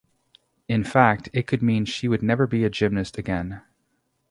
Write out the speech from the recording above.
In fact it could mean she would never be a gymnast again.